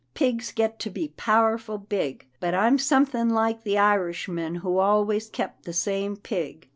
Pigs get to be power ful big, but I'm something like the Irishman who always kept the same pig.